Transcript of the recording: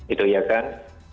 itu ya kan